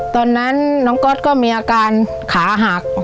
ตอนนั้นน้องก๊อตก็มีอาการขาหัก